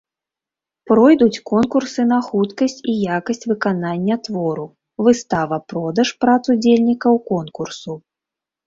Пройдуць конкурсы на хуткасць і якасць выканання твору, выстава-продаж прац удзельнікаў конкурсу.